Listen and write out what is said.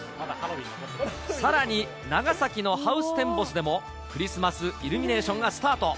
さらに、長崎のハウステンボスでも、クリスマスイルミネーションがスタート。